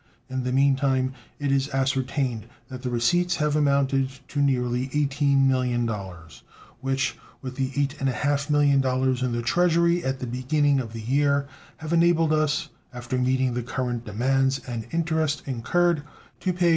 In the mean time it is ascertained that the receipts have amounted to near $18 millions, which, with the $8.5 millions in the Treasury at the beginning of the year, have enabled us, after meeting the current demands and interest incurred, to pay $2.